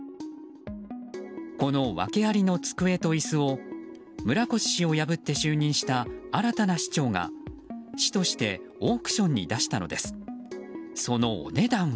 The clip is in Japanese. この訳ありの机と椅子を村越氏を破って就任した新たな市長が市としてオークションに出したのです。